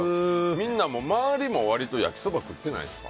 みんなも周りも割と焼きそば食ってないですか。